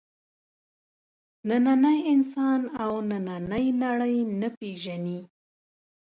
نننی انسان او نننۍ نړۍ نه پېژني.